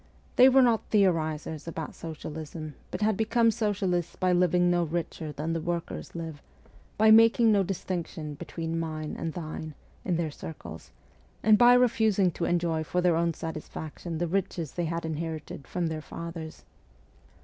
They were not theorisers about socialism, but had become socialists by living no richer than the workers live, by making no distinction between ' mine and thine ' in their circles, and by refusing to enjoy for their own satisfaction the riches they had inherited from their fathers.